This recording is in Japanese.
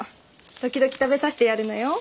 時々食べさしてやるのよ。